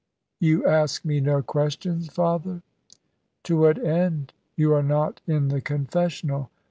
"You ask me no questions, Father?" "To what end? You are not in the confessional.